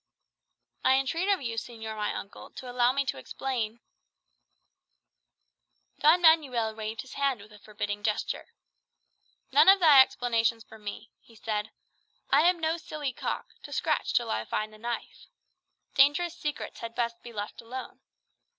"I entreat of you, señor my uncle, to allow me to explain " Don Manuel waved his hand with a forbidding gesture. "None of thy explanations for me," he said. "I am no silly cock, to scratch till I find the knife. Dangerous secrets had best be let alone.